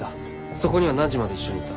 そこには何時まで一緒にいた？